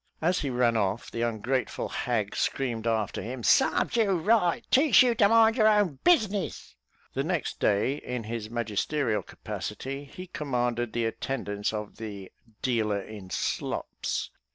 As he ran off, the ungrateful hag screamed after him, "Sarves you right; teach you to mind your own business." The next day, in his magisterial capacity, he commanded the attendance of "the dealer in slops."